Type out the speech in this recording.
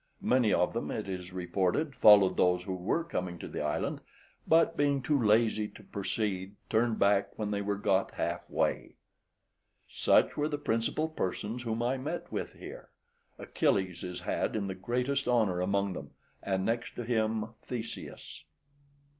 Many of them, it is reported, followed those who were coming to the island, but being too lazy to proceed, turned back when they were got half way. Such were the principal persons whom I met with here. Achilles is had in the greatest honour among them, and next to him Theseus.